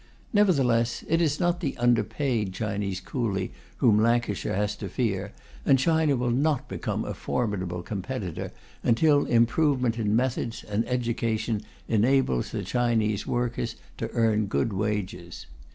Nevertheless, it is not the underpaid Chinese coolie whom Lancashire has to fear, and China will not become a formidable competitor until improvement in methods and education enables the Chinese workers to earn good wages.